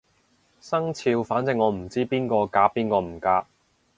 生肖反正我唔知邊個夾邊個唔夾